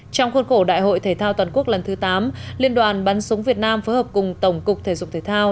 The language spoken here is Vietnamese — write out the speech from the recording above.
trong khuôn khổ đại hội thể thao toàn quốc lần thứ tám liên đoàn bắn súng việt nam phối hợp cùng tổng cục thể dục thể thao